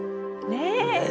ねえ！